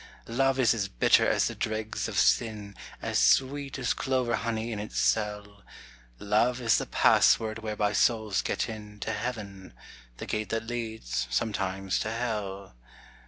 Love is as bitter as the dregs of sin, As sweet as clover honey in its cell; Love is the password whereby souls get in To Heaven the gate that leads, sometimes, to Hell.